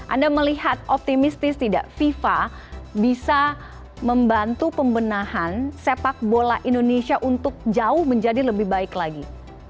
anda melihat optimistis tidak fifa bisa membantu pembenahan sepak bola indonesia untuk jauh menjadi lebih baik lagi